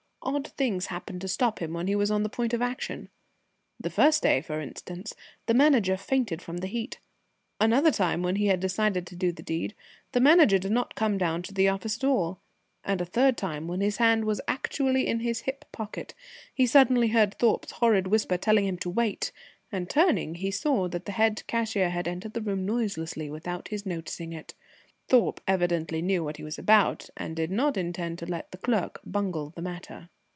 Odd things happened to stop him when he was on the point of action. The first day, for instance, the Manager fainted from the heat. Another time when he had decided to do the deed, the Manager did not come down to the office at all. And a third time, when his hand was actually in his hip pocket, he suddenly heard Thorpe's horrid whisper telling him to wait, and turning, he saw that the head cashier had entered the room noiselessly without his noticing it. Thorpe evidently knew what he was about, and did not intend to let the clerk bungle the matter.